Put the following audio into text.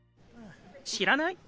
知らない？